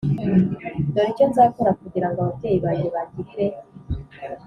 Dore icyo nzakora kugira ngo ababyeyi banjye bangirire